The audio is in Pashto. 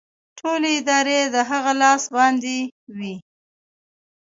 ټولې ادارې د هغه لاس باندې وې